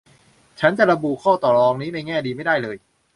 ฉันระบุข้อต่อรองนี้ในแง่ดีไม่ได้เลย